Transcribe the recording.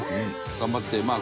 頑張ってまあ